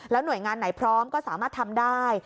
หน่วยงานไหนพร้อมก็สามารถทำได้